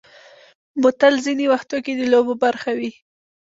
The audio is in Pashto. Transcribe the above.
بوتل ځینې وختو کې د لوبو برخه وي.